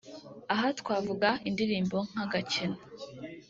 Aha twavuga indirimbo nka ‘Agakino’